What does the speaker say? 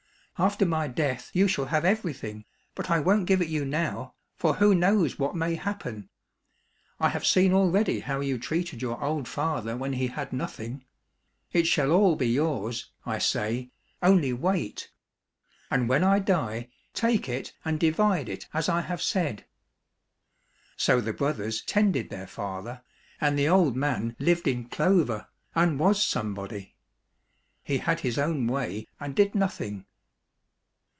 " After my death you shall have everything, but I v^on't give it you now, for who knows what may happen ? I have seen already how you treated your old father when he had nothing. It shall all be yours, I say, only wait ; and when I die, take it and divide it as I have said." So the brothers tended their father, and the old man lived in clover, and was somebody. He had his own way and did nothing.